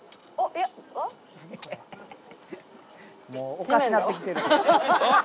もうおかしなってきてるわ。